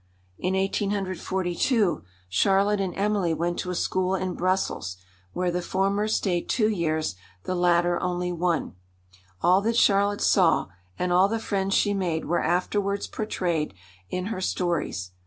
In 1842 Charlotte and Emily went to a school in Brussels, where the former stayed two years, the latter only one. All that Charlotte saw and all the friends she made were afterwards portrayed in her stories.